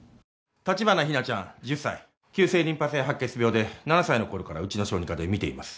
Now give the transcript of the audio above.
立花日菜ちゃん１０歳急性リンパ性白血病で７歳の頃からうちの小児科で診ています